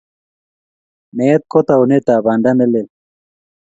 Meet ko taunetab banda ne lel.